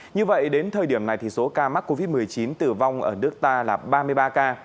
như vậy đến thời điểm này thì số ca mắc covid một mươi chín tử vong ở nước ta là ba mươi ba ca